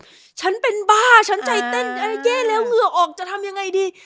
ฉันเป็นบ้าฉันใจเต้นเย่แล้วเหงื่อออกจะทำยังไงดี